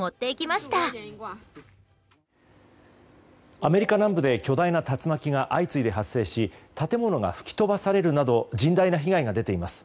アメリカ南部で巨大な竜巻が相次いで発生し建物が吹き飛ばされるなど甚大な被害が出ています。